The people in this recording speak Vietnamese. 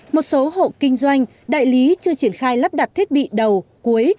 một số hộ kinh doanh đại lý chưa triển khai lắp đặt thiết bị đầu cuối